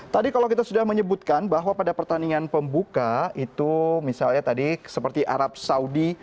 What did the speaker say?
tadi kalau kita sudah menyebutkan bahwa pada pertandingan pembuka itu misalnya tadi seperti arab saudi